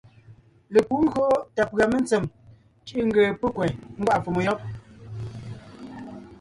Lepǔ ńgÿo tà pʉ̀a mentsèm cʉ̀ʼʉ ńgee pɔ́ kwɛ̀ ńgwá’a fòmo yɔ́b.